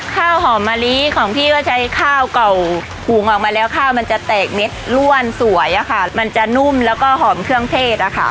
ข้าวหอมมะลิของพี่ก็ใช้ข้าวเก่าหุงออกมาแล้วข้าวมันจะแตกเม็ดล่วนสวยอะค่ะมันจะนุ่มแล้วก็หอมเครื่องเทศอะค่ะ